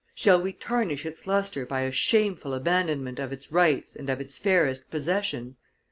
Shall we tarnish its lustre by a shameful abandonment of its rights and of its fairest possessions?